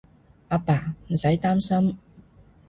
阿爸，唔使擔心